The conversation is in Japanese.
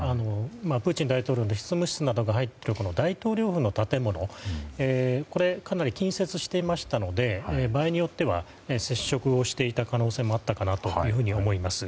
プーチン大統領の執務室などが入っている大統領府の建物にかなり近接していましたので場合によっては接触していた可能性もあったかなと思います。